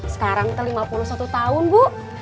sekarang ke lima puluh satu tahun bu